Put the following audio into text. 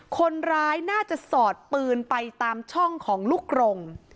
คนร้ายน่าจะสอดปืนไปตามช่องของลูกกรง